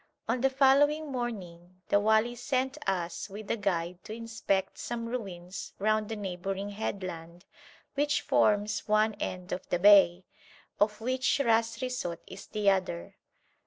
On the following morning the wali sent us with a guide to inspect some ruins round the neighbouring headland which forms one end of the bay, of which Ras Risout is the other.